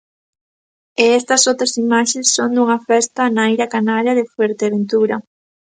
E estas outras imaxes son dunha festa na illa canaria de Fuerteventura.